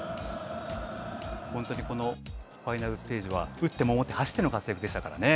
本当にこのファイナルステージは、打って守って走っての活躍でしたからね。